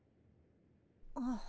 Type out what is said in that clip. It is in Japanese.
ああ。